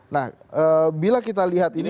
nah bila kita lihat ini